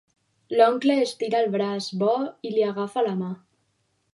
L'oncle estira el braç bo i li agafa la mà.